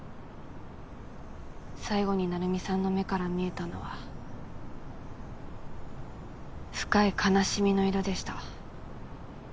最後に成海さんの目から見えたのは深い悲しみの色でした。